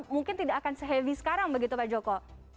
mungkin tidak akan se heavy sekarang begitu pak joko